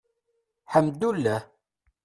Ḥemdullah.